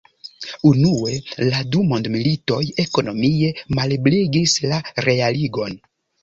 Unue la du mondmilitoj ekonomie malebligis la realigon.